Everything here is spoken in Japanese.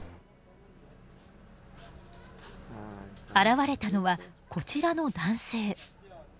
現れたのはこちらの男性。